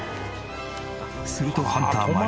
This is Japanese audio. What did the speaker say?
するとハンター麻莉